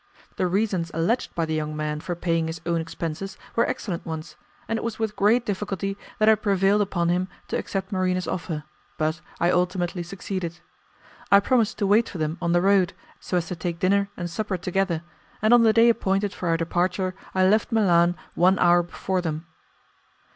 The reasons alleged by the young man for paying his own expenses were excellent ones, and it was with great difficulty that I prevailed upon him to accept Marina's offer, but I ultimately succeeded. I promised to wait for them on the road, so as to take dinner and supper together, and on the day appointed for our departure I left Milan one hour before them.